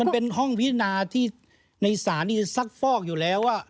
มันเป็นห้องพิจารณาที่ในศาลซักฟอกอยู่แล้ว